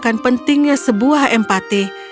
tidak pentingnya sebuah empati